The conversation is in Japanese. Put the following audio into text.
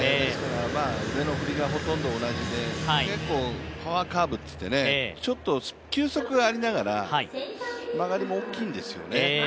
腕の振りがほとんど同じで、パワーカーブといって、球速がありながら曲がりも大きいんですよね。